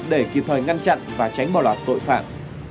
để kịp thời ngăn chặn và tránh bỏ lọt tội phạm